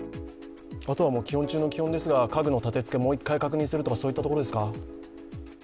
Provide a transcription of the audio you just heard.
あとは基本中の基本ですが家具の立て付けを確認するとかそういったところですか。